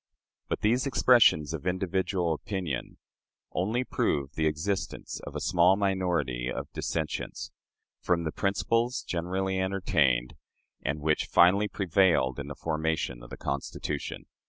But these expressions of individual opinion only prove the existence of a small minority of dissentients from the principles generally entertained, and which finally prevailed in the formation of the Constitution.